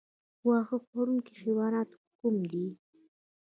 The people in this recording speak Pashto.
واښه خوړونکي حیوانات کوم دي؟